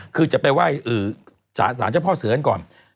คือจะไปไหว้สารเจ้าพ่อเสือกันก่อน